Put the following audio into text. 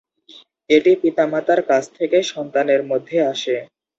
এটি পিতামাতার কাছ থেকে সন্তানের মধ্যে আসে।